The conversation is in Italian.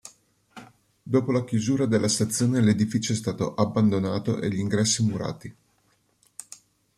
Dopo la chiusura della stazione l'edificio è stato abbandonato e gli ingressi murati.